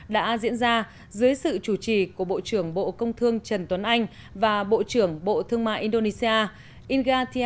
đã diễn ra dưới sự chủ trì của bộ trưởng bộ công thương trần tuấn anh và bộ trưởng bộ thương mại indonesia ingatia